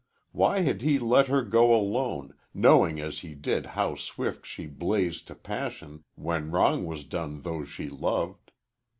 Why had he let her go alone, knowing as he did how swift she blazed to passion when wrong was done those she loved?